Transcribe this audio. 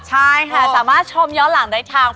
ใช่ค่ะสามารถชมย้อนหลังได้ทาง